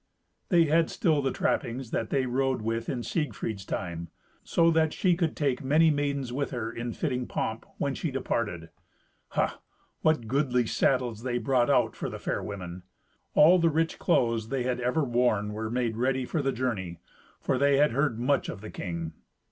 They had still the trappings that they rode with in Siegfried's time, so that she could take many maidens with her in fitting pomp when she departed. Ha! what goodly saddles they brought out for the fair women! All the rich clothes they had ever worn were made ready for the journey, for they had heard much of the king.